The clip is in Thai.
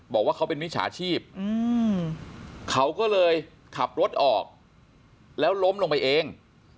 บอกว่าเขาเป็นมิจฉาชีพเขาก็เลยขับรถออกแล้วล้มลงไปเอง